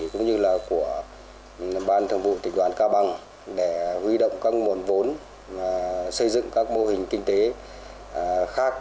cũng như là của ban thường vụ tỉnh đoàn cao bằng để huy động các nguồn vốn xây dựng các mô hình kinh tế khác